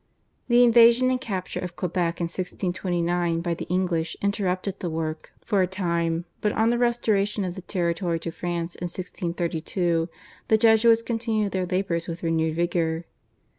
The invasion and capture of Quebec in 1629 by the English interrupted the work for a time, but on the restoration of the territory to France in 1632 the Jesuits continued their labours with renewed vigour.